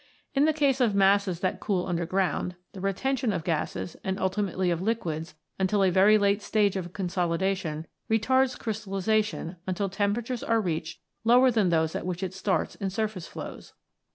In the case of masses that cool v] IGNEOUS ROCKS 107 underground, the retention of gases, and ultimately of liquids, until a very late stage of consolidation retards crystallisation until temperatures are reached lower than those at which it starts in surface flows.